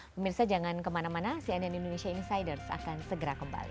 pemirsa jangan kemana mana cnn indonesia insiders akan segera kembali